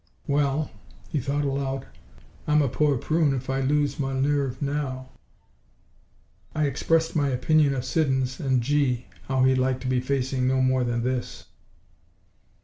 "Well," he thought aloud, "I'm a poor prune if I lose my nerve now. I expressed my opinion of Siddons and gee! how he'd like to be facing no more than this."